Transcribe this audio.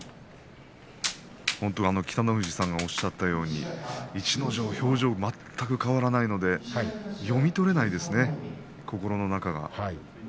北の富士さんがおっしゃったように逸ノ城の表情が全く変わらないので心の中が読み取れないですね。